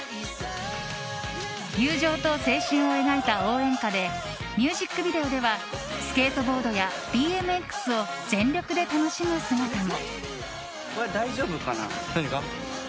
友情と青春を描いた応援歌でミュージックビデオではスケートボードやＢＭＸを全力で楽しむ姿も。